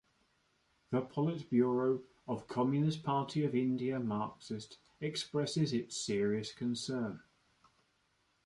The Polit Bureau of Communist Party of India Marxist expresses its serious concern.